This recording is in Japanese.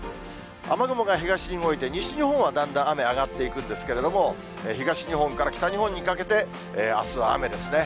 雨雲が東に動いて、西日本はだんだん雨上がっていくんですけれども、東日本から北日本にかけて、あすは雨ですね。